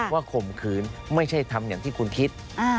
ข่มขืนไม่ใช่ทำอย่างที่คุณคิด